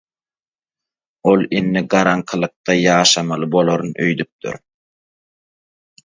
Ol indi garaňkylykda ýaşamaly bolaryn öýdüpdir.